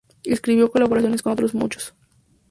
Y escribió colaboraciones con otros muchos.